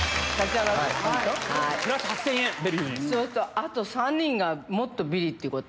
あと３人がもっとビリってこと？